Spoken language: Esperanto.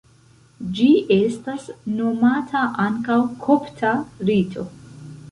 Ĝi estas nomata ankaŭ kopta rito.